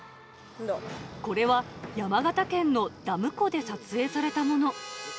これは山形県のダム湖で撮影されたもの。